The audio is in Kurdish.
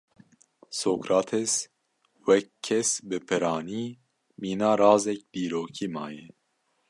Sokrates wek kes bi piranî mîna razek dîrokî maye.